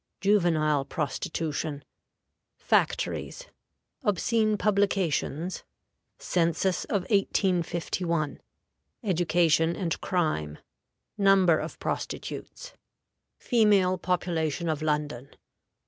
Juvenile Prostitution. Factories. Obscene Publications. Census of 1851. Education and Crime. Number of Prostitutes. Female Population of London.